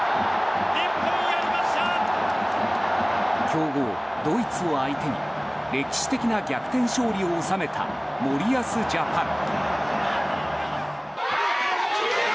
強豪ドイツを相手に歴史的な逆転勝利を収めた森保ジャパン。